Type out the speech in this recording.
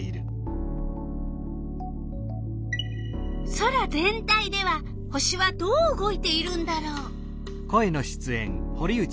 空全体では星はどう動いているんだろう？